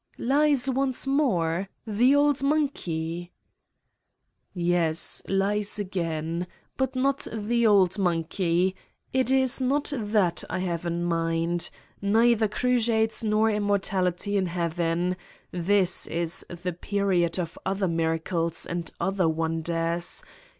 "Lies once more? The old monkey?" "Yes, lies again. But not the old monkey. It is not that I have in mind. Neither crusades nor immortality in heaven. This is the period of other miracles and other wonders.